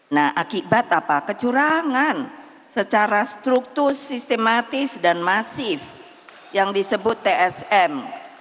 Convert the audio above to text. nah akibat apa kecurangan secara struktur sistematis dan masif yang disebut tsm